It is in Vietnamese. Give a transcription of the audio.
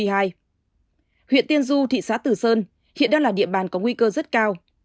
huyện tiên du thị xã tử sơn hiện đang là địa bàn có nguy cơ rất cao